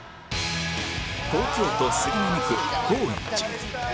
東京都杉並区高円寺